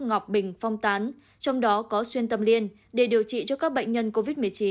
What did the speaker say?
ngọc bình phong tán trong đó có xuyên tâm liên để điều trị cho các bệnh nhân covid một mươi chín